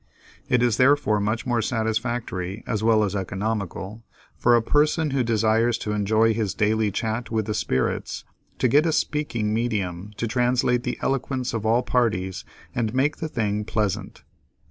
It is therefore much more satisfactory as well as economical, for a person who desires to enjoy his daily chat with the Spirits, to get a "speaking medium" to translate the eloquence of all parties and make the thing pleasant.